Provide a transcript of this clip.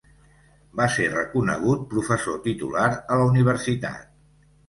Va ser reconegut professor titular a la universitat.